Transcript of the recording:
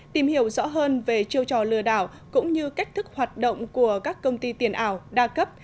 tìm hiểu rõ hơn về chiêu trò lừa đảo cũng như cách thức hoạt động của các công ty tiền ảo đa cấp